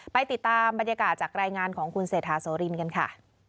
ไปติดตามบรรยากาศจากรายงานของคุณเศรษฐาโสรินกันค่ะ